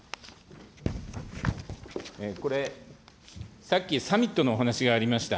これ、さっきサミットのお話がありました。